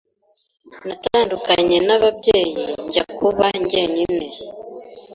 natandukanye n’ababyeyi njya kuba njyenyine,